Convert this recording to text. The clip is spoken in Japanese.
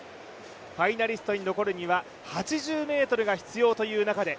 ファイナリストに残るには８０ｍが必要という中で